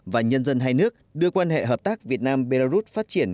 và nhân dân hai nước đưa quan hệ hợp tác việt nam belarus phát triển